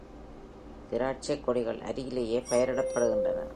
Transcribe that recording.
திராட்டசைக்கொடிகள் அருகிலேயே பயிரிடப்படுகின்றன.